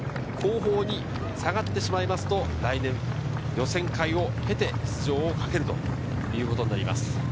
後方に下がってしまうと来年、予選会を経て出場をかけるということになります。